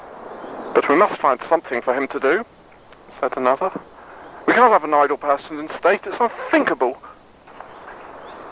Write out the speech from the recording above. "But we must find something for him to do," said another. "We can't have an idle person in the State. It's unthinkable."